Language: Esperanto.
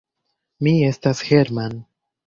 Mi estas Hermann!